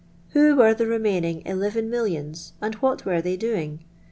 Who were the remaining eleven millions, and what Were they doing!